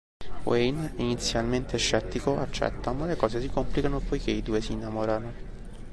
Wayne, inizialmente scettico, accetta, ma le cose si complicano poiché i due si innamorano.